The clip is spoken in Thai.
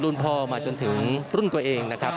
และก็มีการกินยาละลายริ่มเลือดแล้วก็ยาละลายขายมันมาเลยตลอดครับ